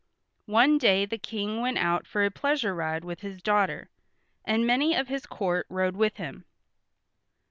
One day the King went out for a pleasure ride with his daughter, and many of his court rode with him.